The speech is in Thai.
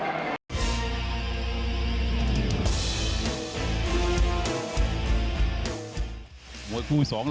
อ้าวเดี๋ยวดูยก๓นะครับ